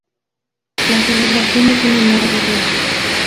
La celebración es una nueva revuelta.